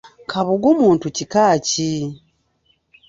Kabugu muntu kika ki?